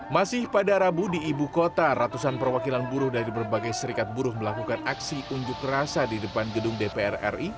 masih pada rabu di ibu kota ratusan perwakilan buruh dari berbagai serikat buruh melakukan aksi unjuk rasa di depan gedung dpr ri